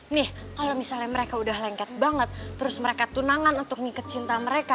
nih kalau misalnya mereka udah lengket banget terus mereka tunangan untuk mengikat cinta mereka